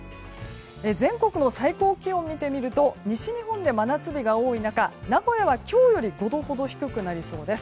全国の最高気温を見てみると西日本で真夏日が多い中名古屋は今日より５度ほど低くなりそうです。